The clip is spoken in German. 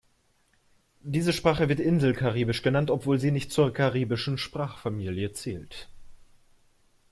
Diese Sprache wird „Insel-Karibisch“ genannt, obwohl sie nicht zur karibischen Sprachfamilie zählt.